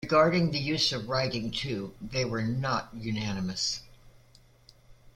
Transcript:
Regarding the use of writing, too, they were not unanimous.